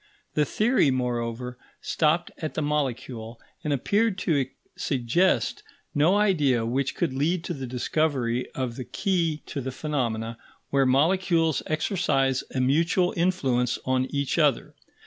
The theory, moreover, stopped at the molecule, and appeared to suggest no idea which could lead to the discovery of the key to the phenomena where molecules exercise a mutual influence on each other.